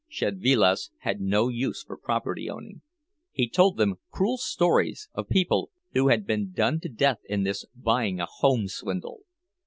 Szedvilas had no use for property owning. He told them cruel stories of people who had been done to death in this "buying a home" swindle.